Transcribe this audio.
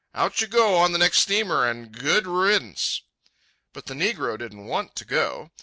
Out you go on the next steamer and good riddance!" But the negro didn't want to go.